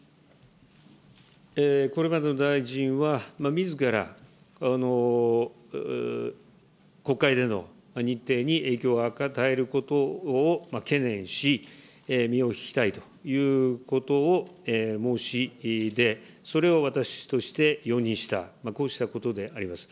これまでの大臣は、みずから国会での日程に影響を与えることを懸念し、身を引きたいということを申し出、それを私として容認した、こうしたことであります。